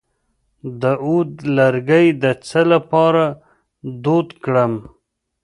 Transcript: د عود لرګی د څه لپاره دود کړم؟